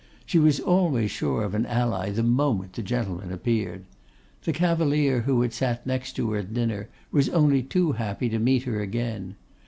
She was always sure of an ally the moment the gentlemen appeared. The cavalier who had sat next to her at dinner was only too happy to meet her again.